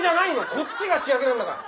こっちが主役なんだから。